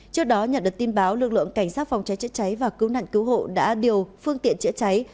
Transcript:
trước đó nhận được tin báo lực lượng cảnh sát phòng cháy chữa cháy và cứu nạn cứu hộ đã điều phương tiện chữa cháy